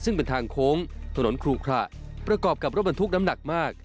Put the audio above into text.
ซึ่งเป็นทางโค้งถนนครูขระประกอบกับรถบรรทุกน้ำหนักมาก